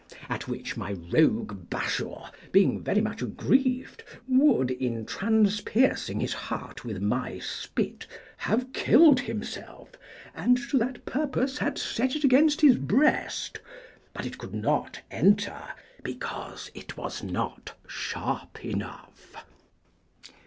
At which my rogue Bashaw being very much aggrieved would, in transpiercing his heart with my spit, have killed himself, and to that purpose had set it against his breast, but it could not enter, because it was not sharp enough.